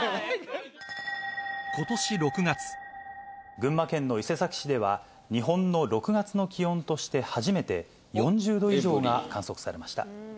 群馬県の伊勢崎市では日本の６月の気温として初めて４０℃以上が観測されました。